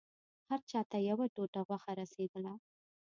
هر چا ته يوه ټوټه غوښه رسېدله.